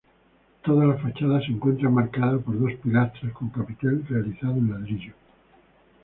Toda la fachada se encuentra enmarcada por dos pilastras con capitel realizado en ladrillo.